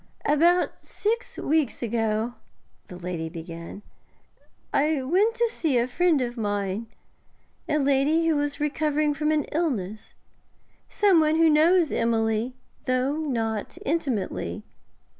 'About six weeks ago,' the lady began, 'I went to see a friend of mine, a lady who was recovering from an illness, someone who knows Emily, though not intimately.